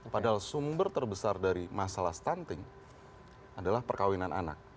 padahal sumber terbesar dari masalah stunting adalah perkawinan anak